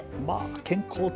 健康的。